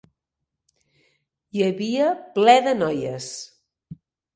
Hi havia pler de noies.